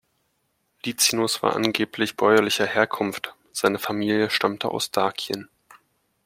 Licinius war angeblich bäuerlicher Herkunft, seine Familie stammte aus Dakien.